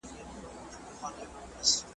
له ما مه غواړئ سندري د صیاد په پنجره کي `